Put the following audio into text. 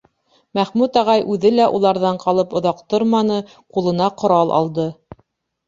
Мәхмүт ағай үҙе лә уларҙан ҡалып оҙаҡ торманы, ҡулына ҡорал алды.